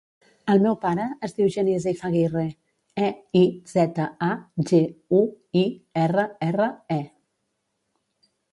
El meu pare es diu Genís Eizaguirre: e, i, zeta, a, ge, u, i, erra, erra, e.